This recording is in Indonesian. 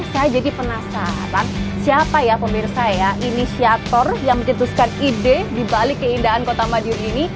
saya jadi penasaran siapa ya pemirsa ya inisiator yang mencetuskan ide dibalik keindahan kota madiun ini